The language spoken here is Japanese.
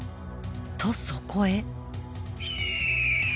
とそこへ。